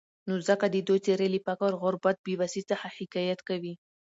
نو ځکه د دوي څېرې له فقر، غربت ، بېوسي، څخه حکايت کوي.